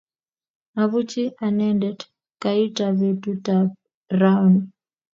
Abuchi anende kaita beetutab rauni